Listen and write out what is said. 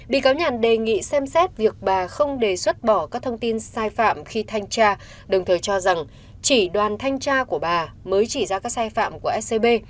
bị cáo nhàn đề nghị xem xét việc bà không đề xuất bỏ các thông tin sai phạm khi thanh tra đồng thời cho rằng chỉ đoàn thanh tra của bà mới chỉ ra các sai phạm của scb